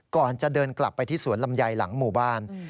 ก่อนจะเดินกลับไปที่สวนลำไยหลังหมู่บ้าน